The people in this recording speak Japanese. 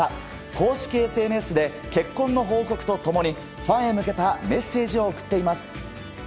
公式ＳＮＳで結婚の報告と共にファンへ向けたメッセージを送っています。